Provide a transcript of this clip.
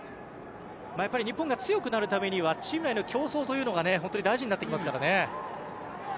日本が強くなるためにはチーム内の競争が大事になってきますからね。